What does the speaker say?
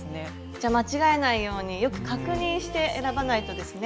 じゃ間違えないようによく確認して選ばないとですね。